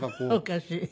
おかしい。